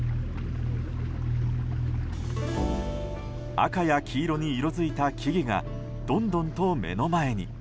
赤や黄色に色づいた木々がどんどんと目の前に。